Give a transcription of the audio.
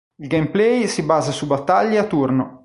Il gameplay si basa su battaglie a turno.